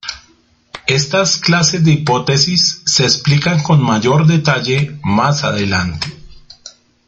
Estas clases de hipótesis se explican con mayor detalle más adelante.